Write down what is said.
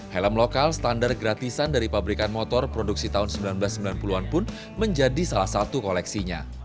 helm lokal standar gratisan dari pabrikan motor produksi tahun seribu sembilan ratus sembilan puluh an pun menjadi salah satu koleksinya